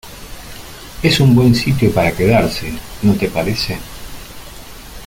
es un buen sitio para quedarse, ¿ no te parece?